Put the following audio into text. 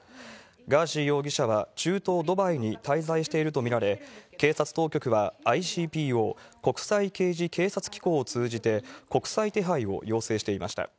ガーシー容疑者は、中東ドバイに滞在していると見られ、警察当局はＩＣＰＯ・国際刑事警察機構を通じて、国際手配を要請していました。